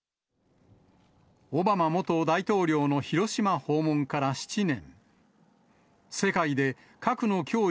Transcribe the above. オバマ元大統領の広島訪問から７年。